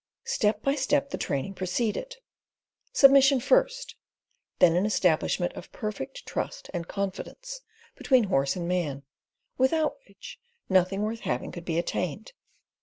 Step by step, the training proceeded. Submission first, then an establishment of perfect trust and confidence between horse and man, without which nothing worth having could be attained.